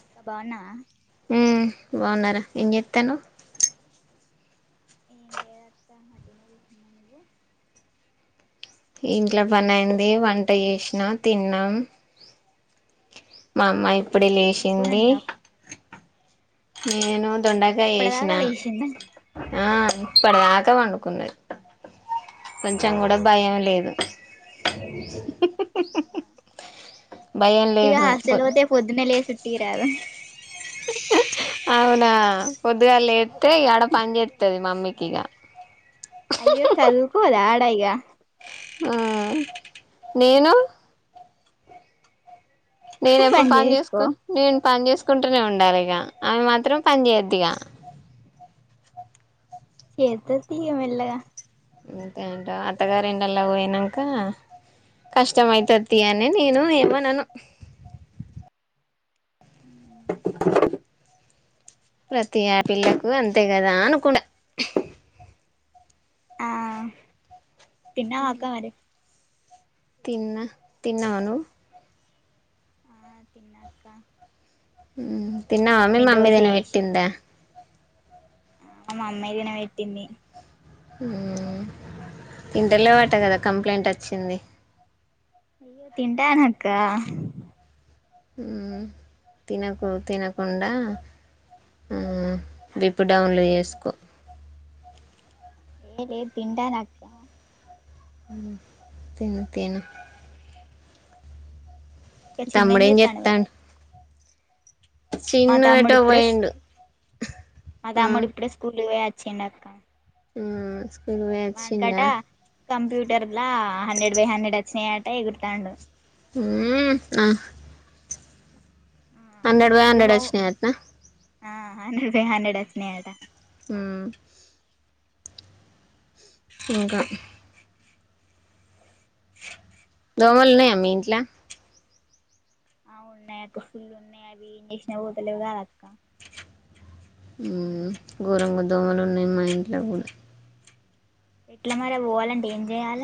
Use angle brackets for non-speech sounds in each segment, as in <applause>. అక్కా బాన్నావా ఉమ్ బాన్నారా ఏం జేత్తన్నావ్. ఏం లేదక్క మటినే గూసున్న నువ్వు. ఇంట్లో పనైంది వంట జేష్నా తిన్నాం. మమ్మ ఇప్పుడే ఏం కూర లేషింది. వండినావ్ అక్క నేను అయ్యో దొండకాయ ఇప్పటిదాకా జేష్నా లేచిందా ఆ. మ్ తర్వాత వనుకుంది కొంచెం గూడా భయం లేదు. అహా భయం య లేదు చలోతే పొద్దున్నే లేస్. తీరాలె. ఔనా పొద్దుగాల్లేత్తే యాడ పన్ జేత్తది మమ్మికిగ. అయ్యో సదుకోదా ఆడ ఇగ ఆ నేను నువ్వు నేనెప్పుడు పని పన్ చేసుకో జేస్కోను నేన్ పన్ జేస్. కుంటూనే ఉండాలి ఇగ ఆమె మాత్రం పన్ జేయద్దిగ చేత్తద్ తీగ మెళ్లగా ఉమ్ అంతే అంటవ అత్తగారిండ్లల్లేకి పోయినంక కష్టం అయ్తది అని నేను ఏమనను. ఉ ప్రతి ఆ పిల్లకు అంతే కదా అనుకుండా. ఆ తిన్నవా అక్క మరి తిన్నా తిన్నావ నువ్వు ఆ తిన్నా అక్క తిన్నావా మే మమ్మీ మా అమ్మ దోశ ఏదైనా పెట్టిందా ఆ మా మమ్మీ తిన పెట్టింది ఇంటలో వాట కదా కంప్లైంట్ వచ్చింది తింటా అక్క ఉమ్ తినకు తినకుండా ఉమ్ విప్ డౌన్లు జేస్కో. ఏలేద్ తింటానక్క. ఉమ్ తిను తిను ఇక చిన్నోడు ఏం తమ్ముడేం చేత్తాండు మరి చెత్తను మా తమ్ముడు ఇప్పుడే పోయిండు మా మ్మ్ తమ్ముడి ఇప్పుడే స్కూల్ పోయ చెన్నక్క మ్మ్ <unintelligible> కంప్యూటర్ లా హండ్రెడ్ బై హండ్రెడ్ వచ్చినాయట ఎగుర్తాండు మ్మ్ ఆ హండ్రెడ్ బై ఇగ హండ్రెడ్ హోమ్ వచ్చినాయి అంటాన ఆ హండ్రెడ్ బై హండ్రెడ్ వచ్చినయి అంట మ్మ్ ఇంకా దోమలున్నా మీంట్లో ఆ ఉన్నాయా ఫుల్ ఉన్నాయా అవి ఇంజెక్షన్ ఏం చేసిన పోతలే అక్క ఘోరంగ దోమలు ఉన్నాయి మా ఇంట్లో కూడా ఎట్లా మరే పోవాలంటే ఏం చెయాల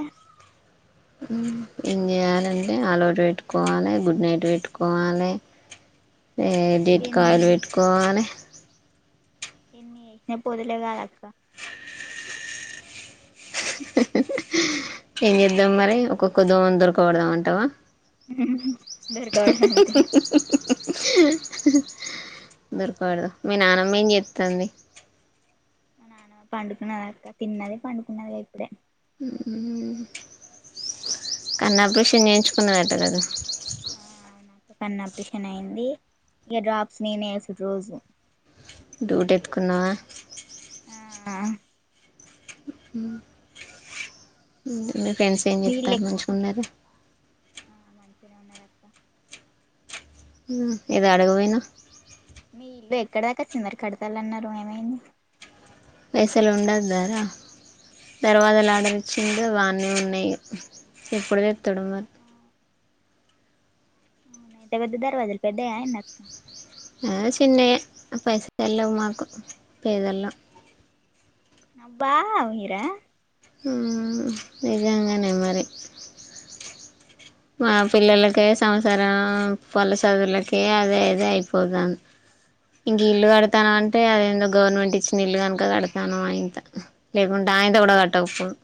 ఏం చేయాలంటే ఆలౌటు పెట్టుకోవాలి గుడ్ నైట్ పెట్టుకోవాలే జెట్ ఎన్ కౌల్ పెట్టుకోవాలె ఎన్ని పెట్టిన పొతలేగాలక్క ఏం చేద్దాం మరి ఒక్కొక్క దోమం దొరకబడదామ అంటావా దొరకబడడానికి దొరకకూడదు మీ నానమ్మ ఏం చేతంది నాన్నమా పండుకున్నద అక్క తిన్నది పండుకున్నదిగా ఇప్పుడే కను ఆపరేషన్ చేయించుకున్నారట కదా ఆ అవు నాక కన్న అపరేషన్ అయి్యంది ఇక డ్రాప్స్ నేనే వస్తుడు రోజు <unintelligible> ఎత్తుకున్నావా ఆ మీ ఫ్రెండ్స్ ఏం చెప్తారు మీల్లె మంచిగా ఉన్నార ఆ మంచినే ఉన్నార అక్క ఏదో అడగపోయినా మీ ఇల్లు ఎక్కడ దాకా వచ్చింది మరి కడతాలన్నారు ఏమైంది. పైసలు ఉండొద్ద రా. దర్వాజాలు ఆర్డర్ ఇచ్చిండు అవి అనే ఉన్నాయి. ఎప్పుడు తెత్తాడు మరి. ఎంత పెద్ద దర్వాజాలు పెద్దయ్య ఏంది అక్. ఆ చిన్నయ్యే అ పైసలు లేవు మాకు పేదోళ్ళం. అబ్బా మీరా. ఉమ్ నిజంగానే మరి. మా పిల్లలకే సంసారం వల్ల సదువలక్ అదే అదే అయిపోతంది ఇంక్. ఇల్లు కడతానంటే అదేందో గవర్నమెంట్ ఇచ్చి నీళ్లు కనుక కడతానం ఆ ఇంత లేకుంటే అంత కూడా కట్టకపోదు.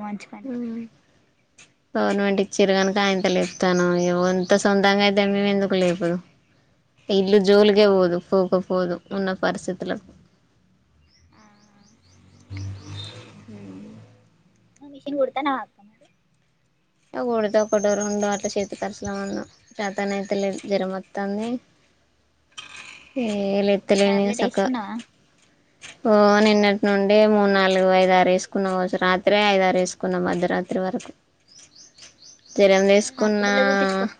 మంచ పనేతే మ్మ్. గవర్నమెంట్ ఇచ్చారు కనుక ఆయనంత లేపుతాను అంత సొంతంగా అయితే మేము ఎందుకు లేపదు ఇల్లు జోలుకే పోదు పోకపోదు ఉన్న పరిస్థితులకు మిషన్ కుడతానవ అక్క నువ్వు ఆ కుడితే ఒకటో, రెండో అట్లా చేతి ఖర్చుల మందం చేతన అయితలేదు జ్వరం వస్తోంది. ఆ మరి ఏలేతలేను ఇగా టాబ్లెట్ సక్కగా. వేసుకున్నావా ఓ నిన్నటి నుండి మూడు, నాలుగు, ఐదు, ఆరు వేసుకున్న కావచ్చు రాత్రి అయిదారు వేసుకున్న. మధ్య రాత్రి వరకు. జ్వరం మరి దేసుకున్న హాస్పిటల్లో చూపించుకోపో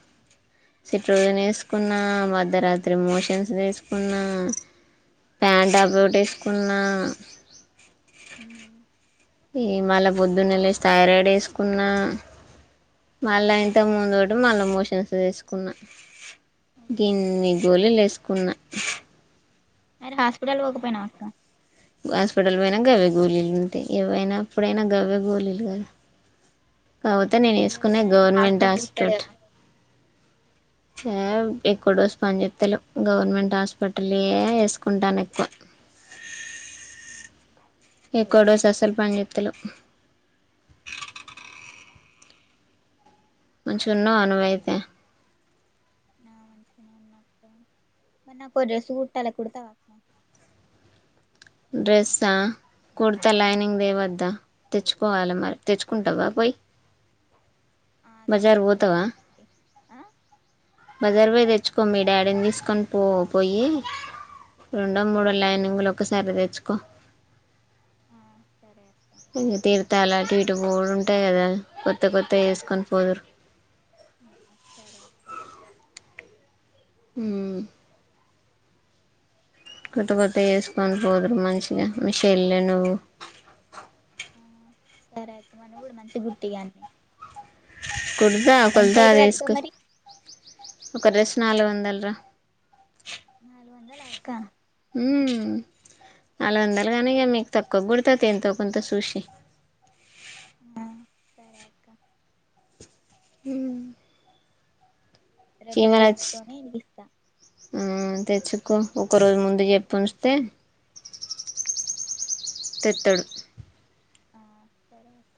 సిట్రజన్ వేసు కున్నా మధ్యరాత్రి మోషన్స్ చెసుకున్నా. పంటాప్రోట్ ఇసుక్ ఆ. ఉమ్. ఈ మల్ల పొద్దున్నే లేచి థైరాడేసుకున్నావ్ మల్ల ఇంతకు ముందు ఒకటి మల్ల మోషన్స్ ది ఏసుకున్న. పిన్ని గోళీలు ఏసుక్ కున్నా. మరి హాస్పిటల్ పోకపోయినావ్ అక్క. హాస్పిటల్ పోయినా గవ్వె గోలీలు ఉంటాయ. ఏవైనా అప్పుడైనా గవే గోలీలు కద కాకపోతే నేను వేసుకున పోలేదేమో గవర్నమెంట్ డాక్టర్ హాస్పిట్ చూస్తాడేమో ఎక్కువ డోస్ పంచేస్తేలెవ్ గవర్నమెంట్ హాస్పిటల్ ఎసుకుంటాన ఎక్కువ. ఎక్కడోస అసల్ పంజేస్థలేవ్. మంచిగా ఉన్నావు నువ్వు అయితే. నాకో డ్రెస్ కుట్టాలే కుడతావా. డ్రెస్ ఆ. కొడతా ఆ లైనింగ్ దేవదా. తెచ్చుకోవాలె మరి తెచ్చుకుంటావా పోయి. ఆ బజార్ తెచ్చుకుంటాండి. బజారు పోయి తెచ్చుకో మీ డాడీ ని తీసుకొని పో పోయి రెండు మూడు లైనింగ్లు ఒకసారి తెచ్చుకో. ఆ సరే అక్క ఇ తీర్తాల. ఇటు పోవడు ఉంటదో. కొత్త కొత్తయ్ ఆ వేసుకొని పోదురు. సరే అక్క అ కొత్త కొత్త వేసుకొని పోదురు మంచిగా మ చెల్లే నువ్వు ఆ సరే అక్క మన కూడా మంచి గుర్తి కాన్ని కుర్ద కొల్ద అక్క రేస్కు మరి ఒక రెస్ నాలుగు వందలరా నాలుగు వందాల అక్క నాలుగు వందలు కానీ ఇక మీకు తక్కువ గుడతుంది ఎంతో కొంత చూసి ఆ సరే అక్క అ రేపు పోయి తెచ్చుకొని ఇగిస్తా తెచ్చుకో ఒకరోజు ముందు చెప్పి ఉస్తే తెట్టాడు ఆ సర అక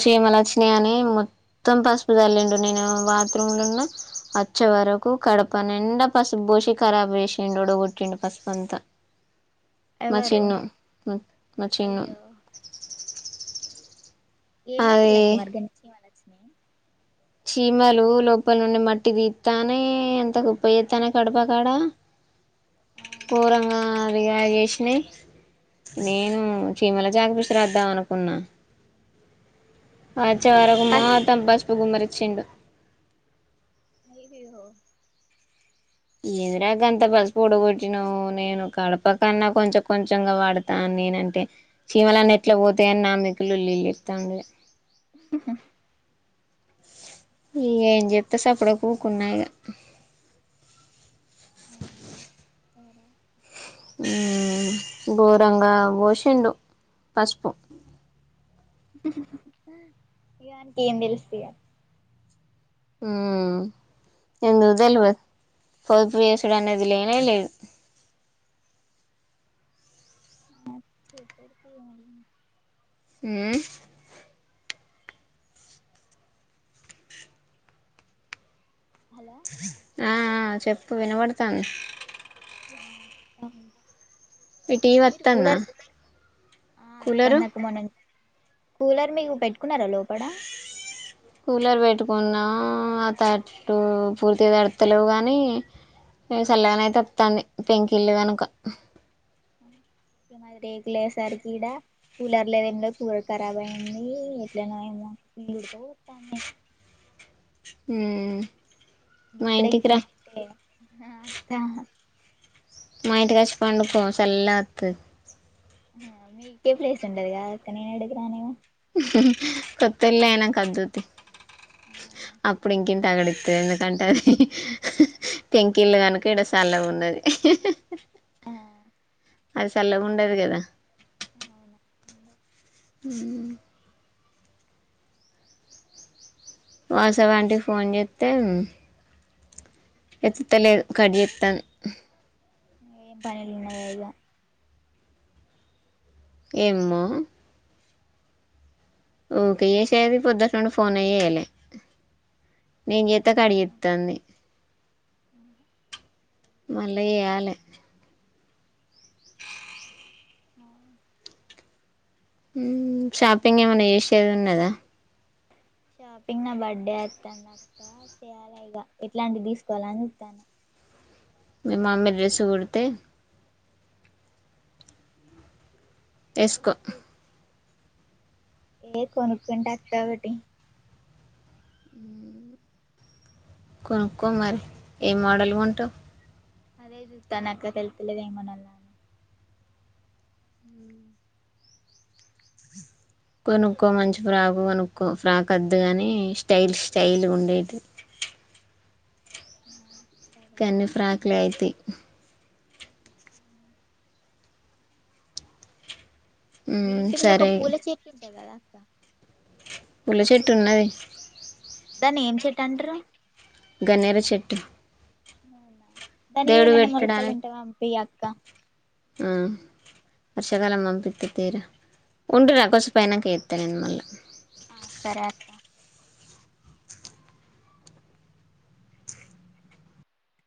ష ఏమల వచ్చిన అని మొత్తం పసుపు తల్లిండు నేను బాత్రూమ్ లోన్న వచ్చే వరకు కడప నిండా పసుపు పోసి ఖరాబ్ వేసిడు ఉడగొట్టిండు పసుపు అంతా మ ఎవరు చిన్ను మచిన్ను అయ్యో ఏమిటి అది లెక్క మర్గంచిమనచ్చ చీమలు లోపల నుండి మట్టి తీస్తానే ఎంత గ ఉప్ప చేస్తానే కడుపకాడ ఆ పోరాంగా మరిగా చేసినాయి నేను చీమల చాకపష్ రాద్దాం అనుకున్నా ఆచ్చ మరి వరకు పస్ మాత బస్పు కు మరి వచ్చెండు అవి ఏదిరా గ అంత పసు పొడగొట్టిన నేను కడప కన్నా కొంచెం కొంచెంగా వాడతా నేనంటే చీమలన్న ఎట్లా పోతాయని నామికులుీలు ఇతాండ ఇక ఏం చెప్రే సప్పుడ కూకున్నాయిక అవు బోరంగా భోషండు పసుపు ఇవానికి ఏం తెలుస్తుయా ఎందు తెలి పపయసుడు అన్నది లేనే లేదు రే హమ్ హలో ఆఆ ఆ చెప్పు వినబడుతాం ఆక్క మీ టీవీ మీరు వత్తాందా కూలర్ ఆ కూలరు తందక మనెం కూలర్ మీకు పెట్టుకున్నారా లోపడ కూలర్ పెట్టుకున్నా అతట్టు పూర్తిగా తడుత్తలేవు కానీ ఏ చల్లగానయితే వత్తాంది పెంకిల్లు కనుక. ఇగ మాది రేకులయేసరికి ఈడ కూలర్ లేదు ఏంలేదు కూలర్ ఖరాబ్ అయ్యింది ఎట్లనో ఏమో ఇల్లు ఉడకబోత్తాంది. హుమ్ గిప్పుడే గిట్లుంటే హా అత్తా మాయట కసి పండుకో సల్తు అహా మీకే ప్లేస్ ఉండదిగా అక్క నే ఎడుక రాణిగా హు హు కొత్తోలు అయినా వోధు తి అప్పుడు ఇంక తగడింది ఎందుకంటే అది టంకిీళ్లుు కనుక ఇడ చల్ల ఉన్నది ఆ అది చల్లగా ఉండదు కదా అ అవునా ఉంధి ఉమ్ వాట్సాప్లాంటి ఫోన్ చేస్తే ఎతుతేలే కడిత్తం ఏం పనులు ఉన్నాద ఇగా ఏమో ఓకే ఈసే అది పొద్దుటడి ఫోన్ అయ్యలే నేను పని చేత ఉండొచ్చు కడిగిస్తాంది మళ్ళీ చేయాలి ఆ ఉమ్ షాపింగ్ ఏమైన్నా చేసేది ఉన్నదా షాపింగ్ నా బర్త్డే వస్తానుక్క చేయాలా ఇక ఎట్లాంటివి తీసుకోవాలని చెప్తాను మీ మామీ డ్రెస్సు కొడితే తే ఎస్కో ఏ కొనుకుంట అక్కవటి కొనుక్కోమరి ఏ మోడల్ ఉంటావు అదేదు తానక్క తెలుపలేదేమనల కొనుక్కో మంచి ఫ్రాక్ కొనుక్కో ఫ్రాక్ వద్దుగాని స్టైల్ స్టైల్ ఉండేది సరే కన్నీ అక్క ఫ్రాక్లు అయిత మీ ఇంటి ముందు ఒక సరే పూల చెట్లు ఉంటాయి కదా దా పల్లి చెట్టు ఉన్నది దాన్ని ఏం చెట్ంటారు గఘనేర చెటు అవునా దనినికి మన మరకల్ ఇంటవవా హంపి క్క ఎమ్ వర్షాకాలం పంపిస్త తీరా ఉంటరా కొచ్చం పనాక ఎస్తా నేను మళ్ళీ ఆ సరే ఆతా